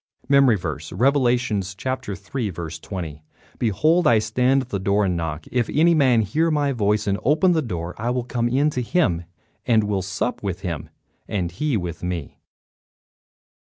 MEMORY VERSE, Revelations 3: 20 "Behold, I stand at the door and knock; if any man hear my voice and open the door, I will come in to him, and will sup with him and he with me."